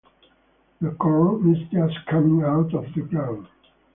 The corn is just coming out of the ground.